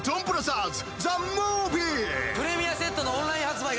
プレミアセットのオンライン発売が決定！